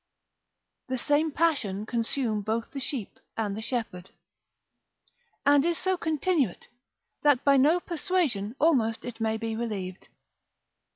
The same passion consume both the sheep and the shepherd, and is so continuate, that by no persuasion almost it may be relieved.